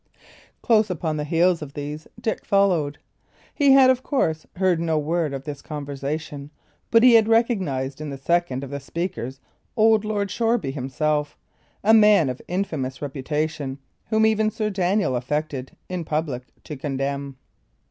Close upon the heels of these, Dick followed. He had, of course, heard no word of this conversation; but he had recognised in the second of the speakers old Lord Shoreby himself, a man of an infamous reputation, whom even Sir Daniel affected, in public, to condemn.